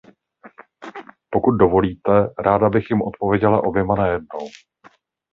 Pokud dovolíte, ráda bych jim odpověděla oběma najednou.